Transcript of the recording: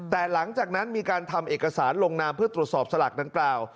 แต่หลังจากนั้นมีการทำเอกสารลงนามเพื่อตรวจสอบสลากดังกล่าว